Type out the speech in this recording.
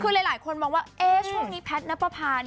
คือหลายคนมองว่าช่วงนี้แพทย์นับประพา